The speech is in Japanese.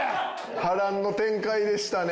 波乱の展開でしたね。